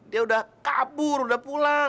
dia udah kabur udah pulang